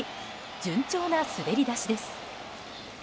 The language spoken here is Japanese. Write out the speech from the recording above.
順調な滑り出しです。